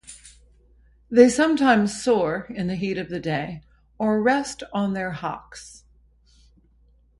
They sometimes soar in the heat of the day or rest on their hocks.